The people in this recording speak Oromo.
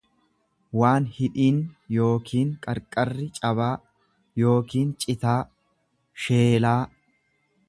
waan hidhiin Yookiin qarqarri cabaa yookiin citaa, sheelaa.